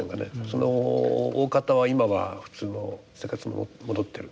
そのおおかたは今は普通の生活に戻ってる。